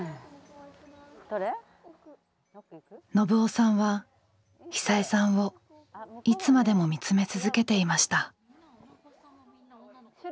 信男さんは久枝さんをいつまでも見つめ続けていました。